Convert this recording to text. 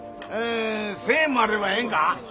１，０００円もあればええんか？